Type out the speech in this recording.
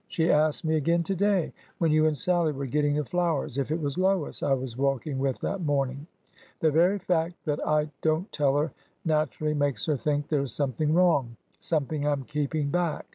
She asked me again to day, when you and Sallie were getting the flowers, if it was Lois I was walking with that morning. The very fact that I don't tell her naturally makes her think there 's something wrong— something I 'm keeping back.